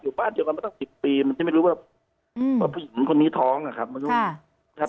อยู่บ้านเดียวกันมาตั้ง๑๐ปีมันก็จะไม่รู้ว่าผู้หญิงคนนี้ท้องอะครับ